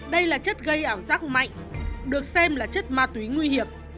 đây là chất gây ảo giác mạnh được xem là chất ma túy nguy hiểm